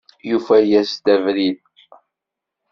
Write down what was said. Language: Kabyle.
Yufa-yas-d abrid!